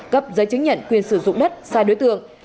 cấp giấy chứng nhận quyền sử dụng đất sai đối tượng